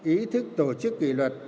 ý thức tổ chức kỷ luật